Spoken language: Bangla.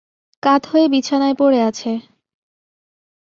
কাত হয়ে বিছানায় পড়ে আছে।